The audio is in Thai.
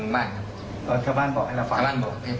มีผมก็อยู่แล้วอย่างระวังเลยครับ